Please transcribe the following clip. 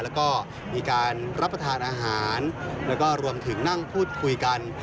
แล้วก็มีการรับประทานอาหารแล้วก็รวมถึงนั่งพูดคุยกัน